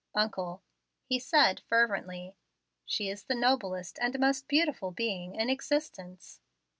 "Uncle," he said, fervently, "she is the noblest and most beautiful being in existence."